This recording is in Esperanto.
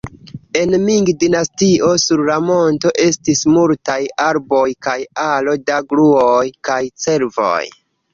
En Ming-dinastio sur la monto estis multaj arboj kaj aro da gruoj kaj cervoj.